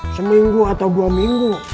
seminggu atau dua minggu